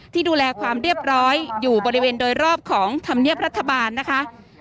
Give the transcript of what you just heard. ที่ดูแลความเรียบร้อยอยู่บริเวณโดยรอบของธรรมเนียบรัฐบาลนะคะ